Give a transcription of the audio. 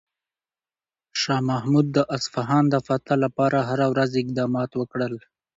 شاه محمود د اصفهان د فتح لپاره هره ورځ اقدامات وکړل.